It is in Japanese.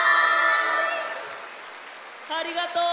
ありがとう！